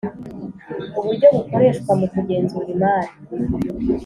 uburyo bukoreshwa mu kugenzura imari